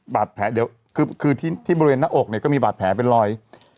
บาดแผลเดี๋ยวคือที่บริเวณหน้าอกเนี่ยก็มีบาดแผลเป็นรอย